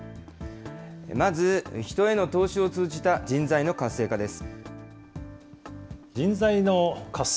まず、人への投資を通じた人材の活性化です。